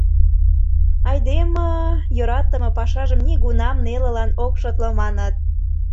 Айдеме йӧратыме пашажым нигунам нелылан ок шотло маныт.